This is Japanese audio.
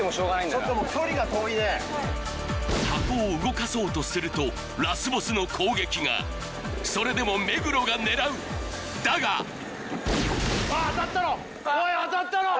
ちょっと距離が遠いね箱を動かそうとするとラスボスの攻撃がそれでも目黒が狙うだがうわっ当たったろ！